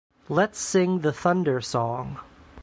Let’s sing the thunder song.